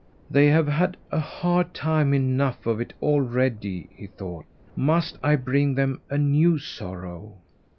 "They have a hard enough time of it already," he thought. "Must I bring them a new sorrow?"